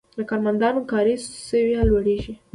د کارمندانو کاري سویه لوړیږي.